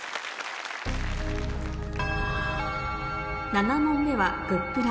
７問目は「＃グップラ」